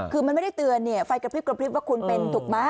คือมันไม่ได้เตือนเนี่ยไฟกระพริบว่าคุณเป็นถูกมั้ย